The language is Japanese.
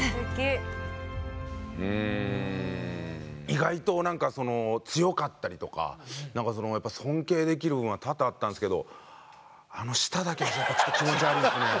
意外と何かその強かったりとかやっぱり尊敬できる部分は多々あったんですけどあの舌だけはやっぱりちょっと気持ち悪いですね。